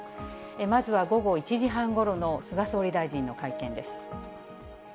まずは午後１時半ごろの菅総理大臣の会見です。